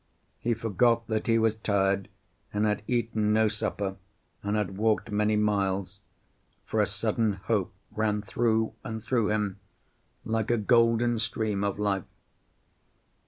He forgot that he was tired and had eaten no supper, and had walked many miles, for a sudden hope ran through and through him, like a golden stream of life.